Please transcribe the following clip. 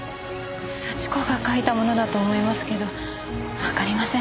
幸子が書いたものだと思いますけどわかりません。